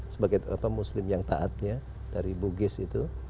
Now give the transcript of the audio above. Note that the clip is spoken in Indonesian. sebagai muslim yang taatnya dari bugis itu